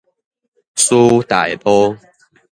師大路